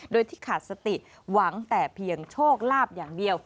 โดยที่ขาดสติหวังแต่เพียงโชคลาภอย่างเดียว